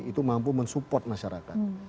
itu mampu mensupport masyarakat